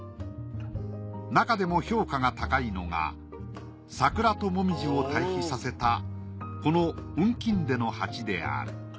なかでも評価が高いのが桜と紅葉を対比させたこの雲錦手の鉢である。